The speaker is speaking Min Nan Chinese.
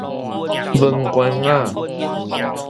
飯丸仔